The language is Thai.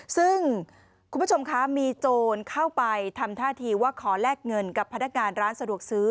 ซึ่งคุณผู้ชมคะมีโจรเข้าไปทำท่าทีว่าขอแลกเงินกับพนักงานร้านสะดวกซื้อ